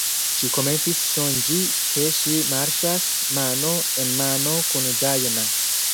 Ŝi komencis sonĝi ke ŝi marŝas mano en mano kun Dajna.